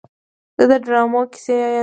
زه د ډرامو کیسې یادوم.